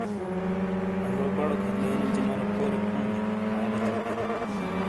اجو بڑو کھَتنینی چِمرو کھورییک ہُوں نے، آدے چکے۔